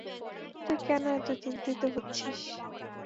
তুই কেন এতো চিন্তিত হচ্ছিস?